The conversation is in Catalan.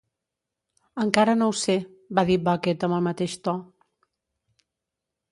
"Encara no ho sé", va dir Bucket amb el mateix to.